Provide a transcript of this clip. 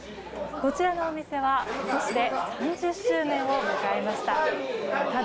こちらのお店は今年で３０周年を迎えました。